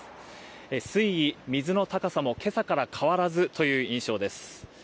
水位、水の高さも、今朝から変わらずという印象です。